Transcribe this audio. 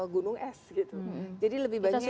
gunung es gitu jadi lebih banyak